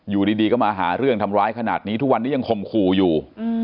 อยู่ดีก็มาหาเรื่องทำร้ายขนาดนี้ทุกวันนี้ยังข่มขู่อยู่